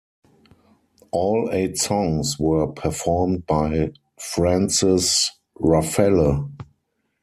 All eight songs were performed by Frances Ruffelle.